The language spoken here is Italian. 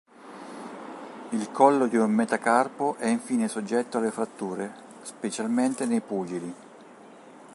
Il collo di un metacarpo è infine soggetto alle fratture, specialmente nei pugili.